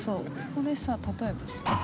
これさ例えばさ。